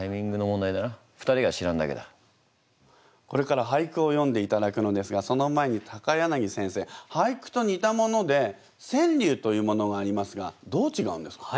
これから俳句をよんでいただくのですがその前に柳先生俳句とにたもので川柳というものがありますがどうちがうんですか？